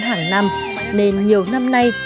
hàng năm nên nhiều năm nay